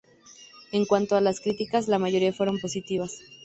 En cuanto a las críticas, la mayoría fueron positivas.